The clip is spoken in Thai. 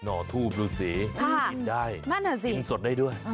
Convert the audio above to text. หน่อทูบรูสีกินได้กินสดได้ด้วย